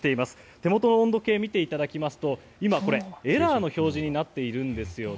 手元の温度計を見ていただきますと今、エラーの表示になっているんですよね。